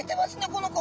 この子。